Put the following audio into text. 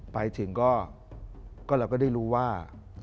ไปถึงก็เราก็ได้รู้ว่า